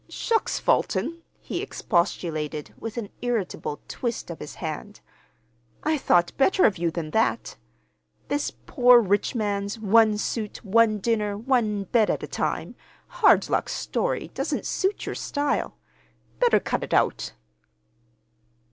"Shucks, Fulton!" he expostulated, with an irritable twist of his hand. "I thought better of you than that. This poor rich man's 'one suit, one dinner, one bed at a time' hard luck story doesn't suit your style. Better cut it out!"